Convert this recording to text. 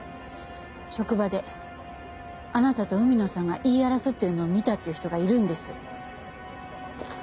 職場であなたと海野さんが言い争ってるのを見たっていう人がいるんです。